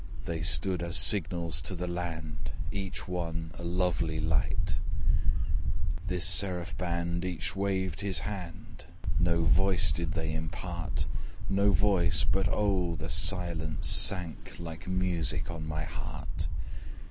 They stood as signals to the land, Each one a lovely light; This seraph band, each waved his hand, No voice did they impart No voice; but oh! the silence sank Like music on my heart.